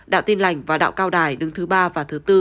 đạo tin lạnh và đạo cao đài đứng thứ ba và thứ tư